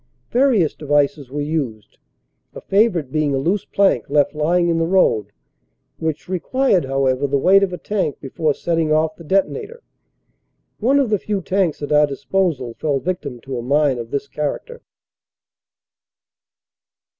Various devices were used, a favorite being a loose plank left lying in the road which required however the weight of a tank before setting off the detonator. One of the few tanks at our disposal fell victim to a mine of this character.